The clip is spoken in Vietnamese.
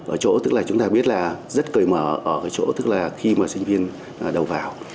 ở chỗ tức là chúng ta biết là rất cởi mở ở cái chỗ tức là khi mà sinh viên đầu vào